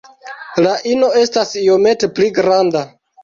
La ino estas iomete pli granda.